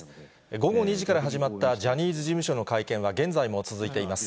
午後２時から始まったジャニーズ事務所の会見は現在も続いています。